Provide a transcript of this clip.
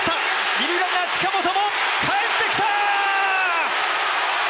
二塁ランナー・近本も帰ってきた！